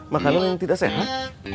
makanan yang tidak sehat